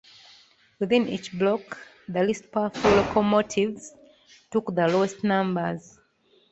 Within each block, the least powerful locomotives took the lowest numbers.